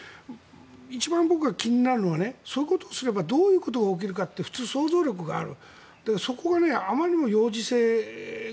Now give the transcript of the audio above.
一番僕が気になるのはそういうことをすればどうなるかって普通、想像力がある。